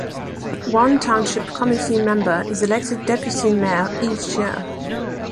One township committee member is elected deputy mayor each year.